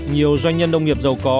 nhiều doanh nhân đông nghiệp giàu có